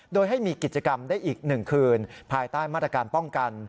โดยให้มีกิจกรรมได้อีก๑คืนภายใต้มาตรการป้องกัน